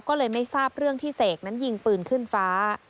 ก็เลยไม่ทราบเรื่องที่เสกนั้นยิงปืนขึ้นฟ้า